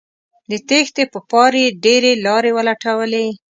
د تېښتې په پار یې ډیرې لارې ولټولې